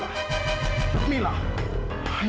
ya allah gimana ini